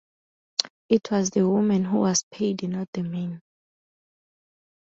It was the woman who was paid, not the man.